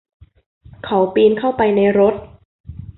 เขาปีนเข้าไปในรถ